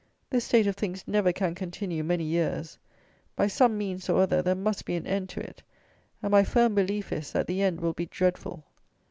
This state of things never can continue many years! By some means or other there must be an end to it; and my firm belief is, that that end will be dreadful.